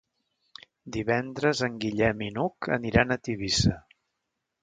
Divendres en Guillem i n'Hug aniran a Tivissa.